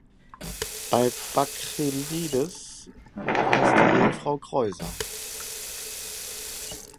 Bei Bakchylides heißt die Ehefrau Kreusa.